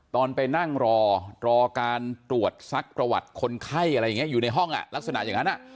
ตอนไปนั่งรอรอการตรวจสักประวัติคนไข้อยู่ในห้องลักษณะอย่างนั้น